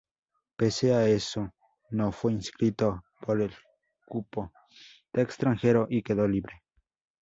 Pese a eso no fue inscrito por El cupo de extranjero y quedó libre.